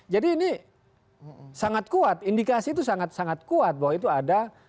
jadi ini sangat kuat indikasi itu sangat kuat bahwa itu ada